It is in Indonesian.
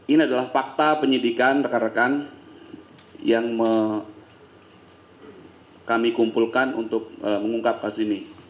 ini adalah fakta penyidikan rekan rekan yang kami kumpulkan untuk mengungkap kasus ini